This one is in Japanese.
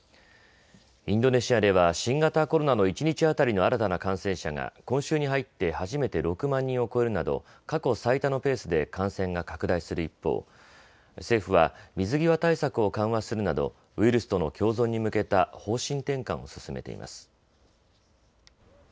インドネシアでは新型コロナの一日当たりの新たな感染者が今週に入って初めて６万人を超えるなど過去最多のペースで感染が拡大する一方、政府は水際対策を緩和するなどウイルスとの共存に向けた方針転換を進めています。